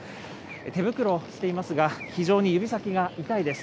手袋をしていますが、非常に指先が痛いです。